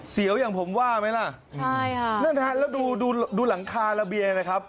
เซียวอย่างผมว่าไหมล่ะนั่นค่ะแล้วดูหลังคาระเบียงนะครับ